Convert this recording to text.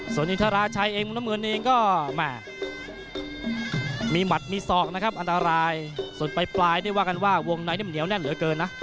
ส่วนอินทราชัยเองมุมน้ำเงินเองก็แม่มีหมัดมีศอกนะครับอันตรายส่วนปลายนี่ว่ากันว่าวงในนี่เหนียวแน่นเหลือเกินนะ